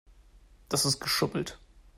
Das ist geschummelt.